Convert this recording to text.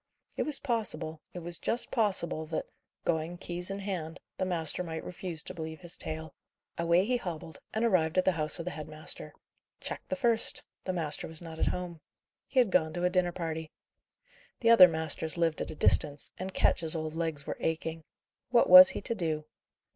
It was possible, it was just possible that, going, keys in hand, the master might refuse to believe his tale. Away he hobbled, and arrived at the house of the head master. Check the first! The master was not at home. He had gone to a dinner party. The other masters lived at a distance, and Ketch's old legs were aching. What was he to do?